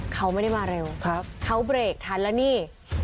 เขาไม่ได้มาเร็วเขาเบรกทันแล้วนี่